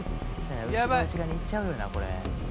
「内側内側に行っちゃうよなこれ」